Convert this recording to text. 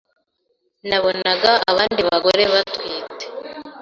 Nabonaga abandi bagore batwite